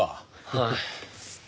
はい。